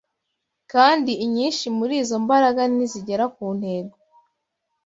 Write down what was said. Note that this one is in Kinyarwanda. Ariko inyinshi muri izo mbaraga ntizigera ku ntego.